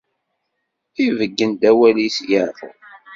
Ibeggen-d awal-is i Yeɛqub.